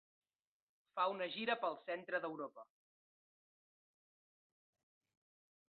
Fa una gira pel centre d'Europa.